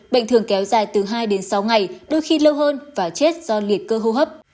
bệnh thường kéo dài từ hai đến sáu ngày đôi khi lâu hơn và chết do liệt cơ hô hấp